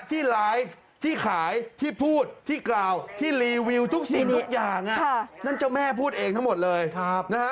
ที่ไลฟ์ที่ขายที่พูดที่กล่าวที่รีวิวทุกสิ่งทุกอย่างนั่นเจ้าแม่พูดเองทั้งหมดเลยนะฮะ